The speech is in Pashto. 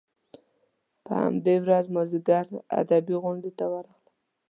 په همدې ورځ مازیګر ادبي غونډې ته ورغلم.